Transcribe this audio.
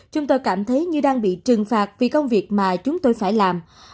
chúng tôi cảm thấy như đang bị trừng phạt vì công việc mà chúng tôi phải làm